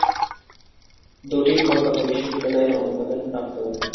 দুটিই কলকাতা বিশ্ববিদ্যালয়ের অনুমোদন প্রাপ্ত।